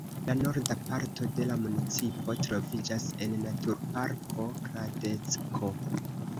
La norda parto de municipo troviĝas en naturparko Kladecko.